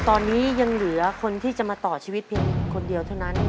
ตอนนี้ยังเหลือคนที่จะมาต่อชีวิตเพียงคนเดียวเท่านั้น